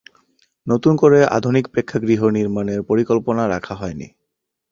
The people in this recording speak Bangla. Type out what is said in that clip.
নতুন করে আধুনিক প্রেক্ষাগৃহ নির্মাণের পরিকল্পনা রাখা হয়নি।